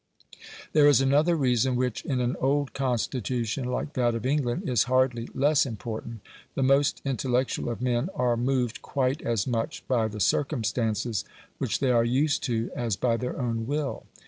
There is another reason which, in an old constitution like that of England, is hardly less important. The most intellectual of men are moved quite as much by the circumstances which they are used to as by their own will.